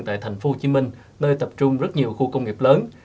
tại thành phố hồ chí minh nơi tập trung rất nhiều khu công nghiệp lớn